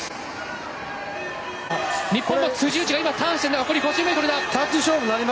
日本、辻内が今ターンして残り５０ｍだ。